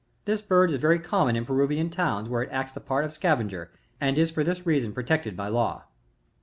This bird is very common in Peruvian towns, where it acts the part of scavenger, and is for this reason protected by Jcfw.